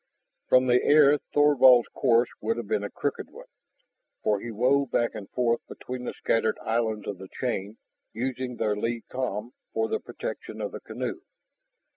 From the air, Thorvald's course would have been a crooked one, for he wove back and forth between the scattered islands of the chain, using their lee calm for the protection of the canoe.